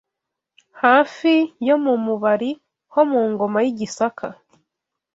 hafi yo mu Mubari ho mu Ngoma y’i Gisaka